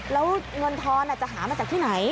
แล้วเงินทอนจะหามาจากที่ไหน